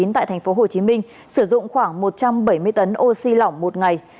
tại tp hcm sử dụng khoảng một trăm bảy mươi tấn oxy lỏng một ngày